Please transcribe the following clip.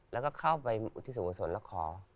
แล้วก็เข้าไปที่สวงสวนแล้วขอ